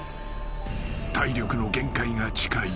［体力の限界が近い］